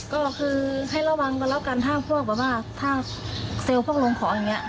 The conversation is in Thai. ก็คือให้ระวังกันแล้วกันถ้าพวกแบบว่าถ้าเซลล์พวกลงของอย่างนี้